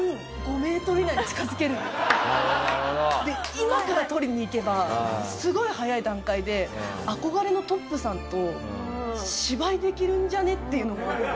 今から取りに行けばすごい早い段階で憧れのトップさんと芝居できるんじゃね？っていうのもあって。